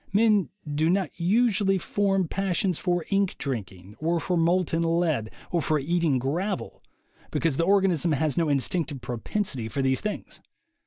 Men do not usually form passions for ink drinking, or for molten lead, or for eating gravel, because the organism has no instinctive propensity for these things.